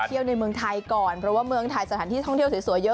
ในเมืองไทยก่อนเพราะว่าเมืองไทยสถานที่ท่องเที่ยวสวยเยอะ